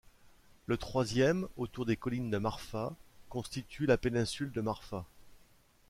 Le troisième, autour des collines de Marfa, constitue la péninsule de Marfa.